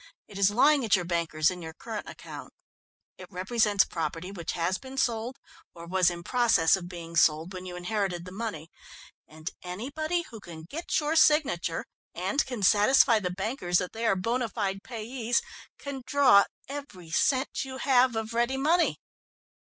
"It is lying at your bankers in your current account. It represents property which has been sold or was in process of being sold when you inherited the money, and anybody who can get your signature and can satisfy the bankers that they are bona fide payees, can draw every cent you have of ready money.